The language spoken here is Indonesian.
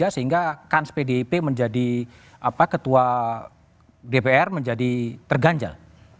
sehingga kans pdip menjadi ketua dpr menjadi terganjal